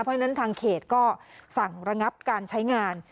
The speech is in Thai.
เพราะฉะนั้นทางเขตก็สั่งระงับการใช้งาน